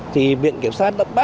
thì viện kiểm sát đã bác bỏ